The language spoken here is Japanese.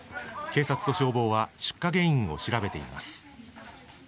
警察と消防は、出火原因を調べています。